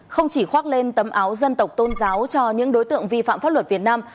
không chỉ khoác lên tấm áo dân tộc tôn giáo cho những đối tượng vi phạm pháp luật việt nam